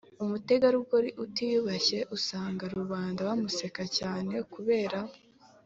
umutegarugori utiyubashye usanga rubanda bamuseka cyane kubera